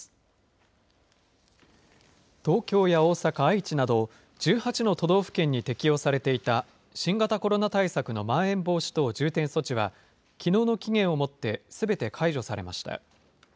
東京や大阪、愛知など、１８の都道府県に適用されていた、新型コロナ対策のまん延防止等重点措置は、きのうの期限をもってすべて解除されました。